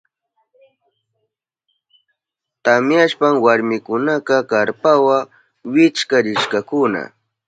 Tamyashpan warmikunaka karpawa wichkarishkakuna.